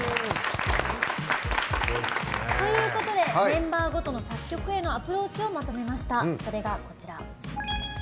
ということでメンバーごとの作曲へのアプローチをまとめました。